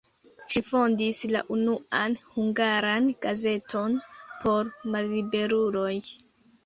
Ŝi fondis la unuan hungaran gazeton por malliberuloj.